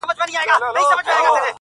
څه غزل غزل راګورې څه ټپه ټپه ږغېږې